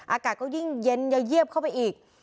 อากาศก็ยิ่งเย็นอย่าเยียบเข้าไปอีก